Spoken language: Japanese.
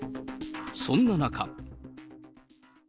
そんな中。